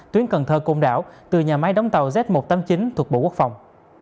tuyến cần thơ côn đảo từ nhà máy đóng tàu z một trăm tám mươi chín thuộc bộ quốc phòng